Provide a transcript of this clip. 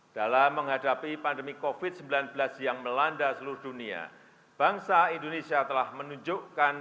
dalam menghadapi pandemi covid sembilan belas yang melanda seluruh dunia bangsa indonesia telah menunjukkan